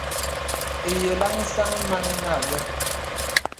Ìyàlaŋ sàŋ màn ìnə àbə̀.